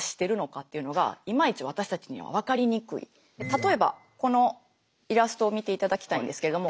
例えばこのイラストを見ていただきたいんですけれども。